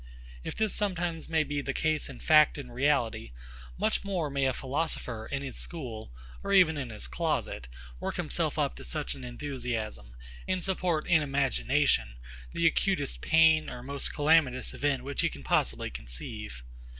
If this sometimes may be the case in fact and reality, much more may a philosopher, in his school, or even in his closet, work himself up to such an enthusiasm, and support in imagination the acutest pain or most calamitous event which he can possibly conceive.